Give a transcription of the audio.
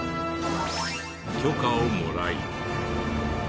許可をもらい。